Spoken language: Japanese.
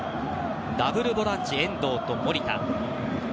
ダブルボランチに遠藤と守田。